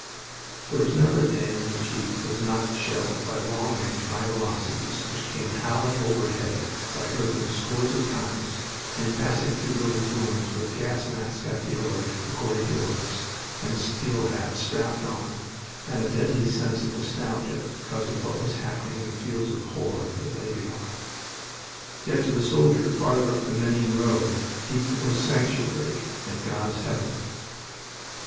There was never a day in which Ypres was not shelled by long range high velocities which came howling overhead as I heard them scores of times in passing through those ruins with gas mask at the alert, according to orders, and steel hat strapped on, and a deadly sense of nostalgia because of what was happening in the fields of horror that lay beyond. Yet to the soldier farther up the Menin road Ypres was sanctuary and God's heaven.